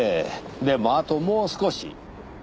でもあともう少し。